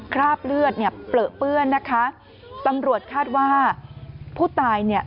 คราบเลือดเนี่ยเปลือเปื้อนนะคะตำรวจคาดว่าผู้ตายเนี่ย